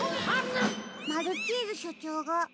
マルチーズしょちょうが。